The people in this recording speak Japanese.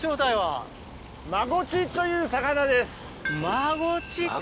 マゴチか！